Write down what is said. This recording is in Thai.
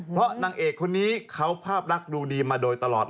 เพราะนางเอกคนนี้เขาภาพรักดูดีมาโดยตลอด